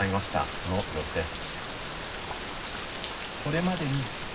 その様子です。